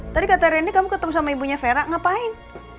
tadi kata rene kamu ketemu sama ibunya vera ngapain